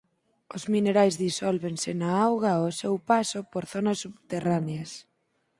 Os minerais disólvense na auga ao seu paso por zonas subterráneas.